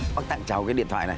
bác tặng cháu cái điện thoại này